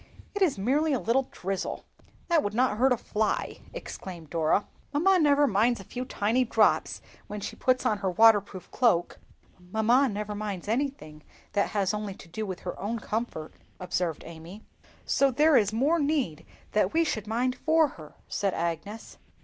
"It is merely a little drizzle, that would not hurt a fly!" exclaimed Dora. "Mamma never minds a few tiny drops when she puts on her waterproof cloak." "Mamma never minds anything that has only to do with her own comfort," observed Amy. "So there is more need that we should mind for her," said Agnes.